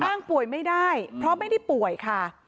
อ้างป่วยไม่ได้เพราะไม่ได้ป่วยค่ะ